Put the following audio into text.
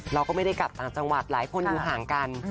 เราก็ไม่ได้กลับต่างจังหวัดหลายคนอยู่ห่างกัน